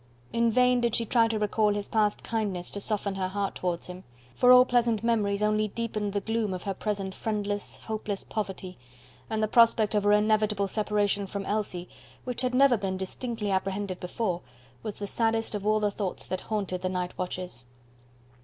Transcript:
In vain did she try to recall his past kindness to soften her heart towards him; for all pleasant memories only deepened the gloom of her present friendless, hopeless poverty; and the prospect of her inevitable separation from Elsie, which had never been distinctly apprehended before, was the saddest of all the thoughts that haunted the night watches.